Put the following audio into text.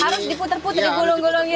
harus diputer puter di gulung gulung gitu